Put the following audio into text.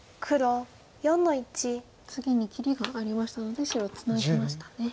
次に切りがありましたので白ツナぎましたね。